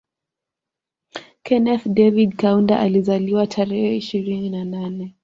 Kenneth David Kaunda alizaliwa tarehe ishirini na nane